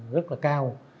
rất là cao